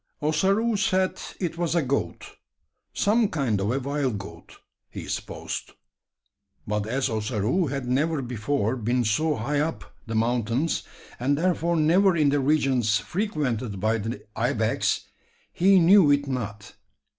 Ossaroo said it was a goat some kind of a wild goat, he supposed; but as Ossaroo had never before been so high up the mountains, and therefore never in the regions frequented by the ibex, he knew it not.